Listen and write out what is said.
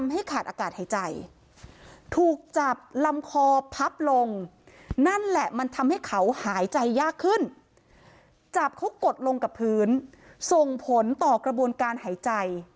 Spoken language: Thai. หายใจยากขึ้นจับเขากดลงกับพื้นส่งผลต่อกระบวนการหายใจ